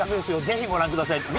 ぜひご覧くださいって。